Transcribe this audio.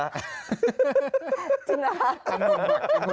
จริงหรอฮะ